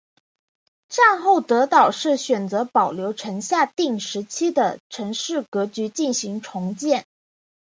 战后德岛市选择保留城下町时期的都市格局进行重建。